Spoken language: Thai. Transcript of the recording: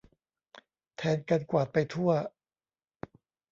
แทนการกวาดไปทั่ว